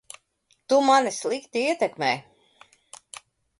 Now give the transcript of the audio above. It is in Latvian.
Tu mani slikti ietekmē.